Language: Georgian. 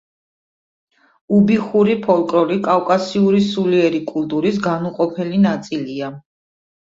უბიხური ფოლკლორი კავკასიური სულიერი კულტურის განუყოფელი ნაწილია.